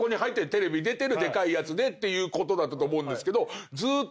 テレビ出てるでかいやつでっていうことだと思うんですけど。